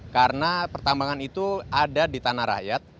karena pertambangan itu ada di tanah rakyat